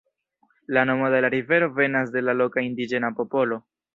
La nomo de la rivero venas de la loka indiĝena popolo.